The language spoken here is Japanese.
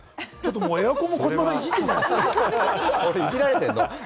エアコンも児嶋さんをいじっているんじゃないですか？